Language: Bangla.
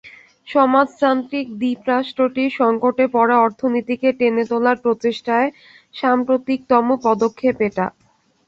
সমাজতান্ত্রিক দ্বীপ রাষ্ট্রটির সংকটে পড়া অর্থনীতিকে টেনে তোলার প্রচেষ্টায় সাম্প্রতিকতম পদক্ষেপ এটা।